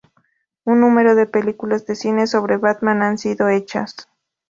Un número de películas de cine sobre Batman han sido hechas.